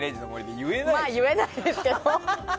言えないですけど。